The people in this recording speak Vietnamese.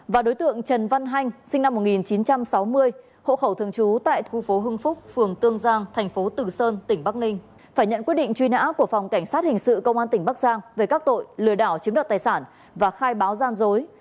và đối tượng trần văn hanh sinh năm một nghìn chín trăm sáu mươi hộ khẩu thường trú tại khu phố hưng phúc phường tương giang thành phố tử sơn tỉnh bắc ninh phải nhận quyết định truy nã của phòng cảnh sát hình sự công an tỉnh bắc giang về các tội lừa đảo chiếm đoạt tài sản và khai báo gian dối